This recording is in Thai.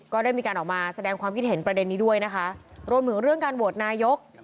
ก็ได้มีการออกมาแสดงความคิดเห็นประเด็นนี้ด้วยนะคะรวมถึงเรื่องการโหวตนายก